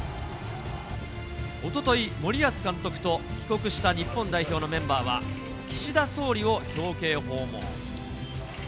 おととい、森保監督と帰国した日本代表のメンバーは、岸田総理を表敬訪問。